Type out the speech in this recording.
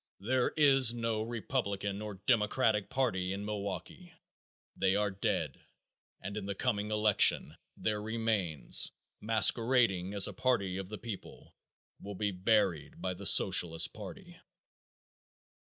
There is no Republican or Democratic party in Milwaukee. They are dead, and in the coming election their remains, masquerading as a party of the people, will be buried by the Socialist party.